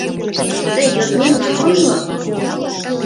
Тый йодмемлан ойло!